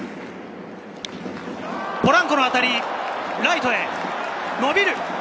ポランコの当たり、ライトへ伸びる！